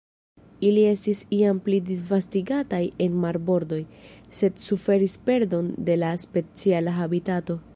Ili estis iam pli disvastigataj en marbordoj, sed suferis perdon de la speciala habitato.